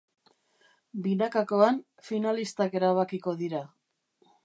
Binakakoan, finalistak erabakiko dira.